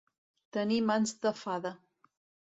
Tenir mans de fada.